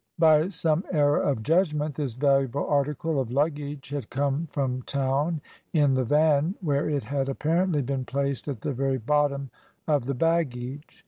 By some error of judgment this valuable article of luggage had come from town in the van, where it had apparently been placed at the very bottom of the baggage.